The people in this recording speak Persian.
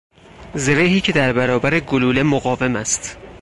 زرهی که در برابر گلوله مقاوم است